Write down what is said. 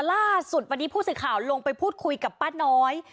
ล่าสุดวันนี้ผู้สื่อข่าวลงไปพูดคุยกับป้าน้อย